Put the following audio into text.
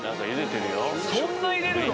そんな入れるの？